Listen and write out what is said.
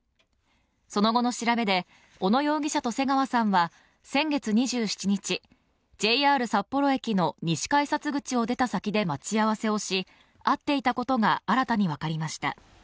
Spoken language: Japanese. その後の調べで、小野容疑者と瀬川さんは先月２７日、ＪＲ札幌駅の西改札口を出た先で待ち合わせをし、会っていたことが新たに分かりました。